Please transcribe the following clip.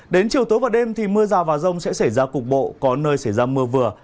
đến chiều tối và đêm thì mưa rào và rông sẽ xảy ra cục bộ có nơi xảy ra mưa vừa